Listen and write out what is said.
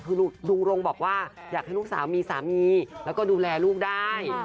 คือลุงรงบอกว่าอยากให้ลูกสาวมีสามีแล้วก็ดูแลลูกได้